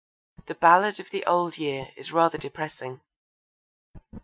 The Ballad of the Old Year is rather depressing.